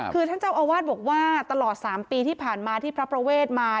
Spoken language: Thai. คือท่านเจ้าอาวาสบอกว่าตลอด๓ปีที่ผ่านมาที่พระประเวทมา